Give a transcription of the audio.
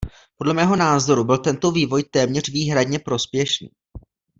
Podle mého názoru byl tento vývoj téměř výhradně prospěšný.